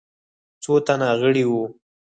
څو تنه غړي وه.